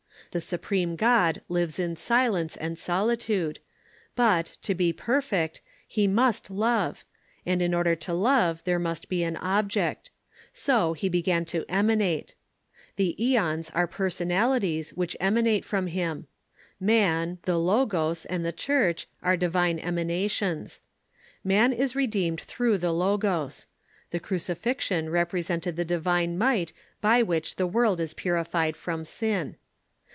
The supreme God lives in silence and solitude. But, to be perfect, he must love, and in order to love there must be an object. So he began to emanate. The oeons are personalities, which emanate from him. Man, the Logos, and the Church, are divine emanations. Man is redeemed through the Logos. The crucifixion represented the divine might by which the world is purified from sin.